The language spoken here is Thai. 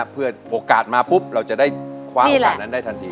เพื่อโอกาสมาปุ๊บเราจะได้คว้าโอกาสนั้นได้ทันที